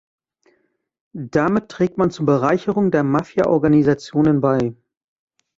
Damit trägt man zur Bereicherung der Mafiaorganisationen bei.